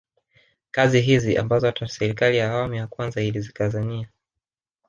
Kazi hizi ambazo hata serikali ya awamu ya kwanza ilizikazania